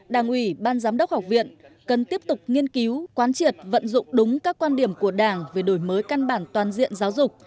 đảng ủy ban giám đốc học viện cần tiếp tục nghiên cứu quán triệt vận dụng đúng các quan điểm của đảng về đổi mới căn bản toàn diện giáo dục